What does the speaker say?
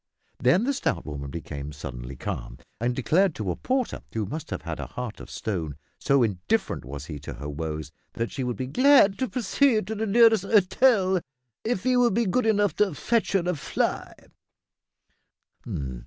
Then the stout woman became suddenly calm, and declared to a porter who must have had a heart of stone, so indifferent was he to her woes that she would be, "glad to proceed to the nearest 'otel if 'e would be good enough to fetch her a fly."